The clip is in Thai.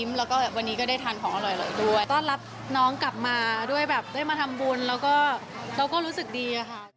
สวยทั้งคู่เลย